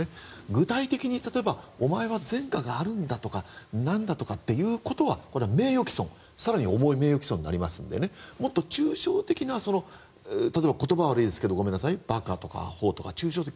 具体的に、例えばお前は前科があるんだとかなんだとかっていうことはこれは名誉毀損更に重い名誉毀損になりますのでもっと抽象的な例えば、言葉は悪いですがごめんなさい馬鹿とかあほとか抽象的。